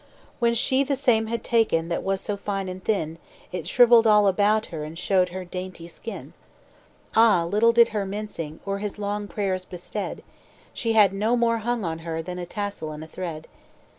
"When she the same had taken That was so fine and thin, It shrivelled all about her, And showed her dainty skin. "Ah! little did her mincing, Or his long prayers bestead; She had no more hung on her Than a tassel and a thread.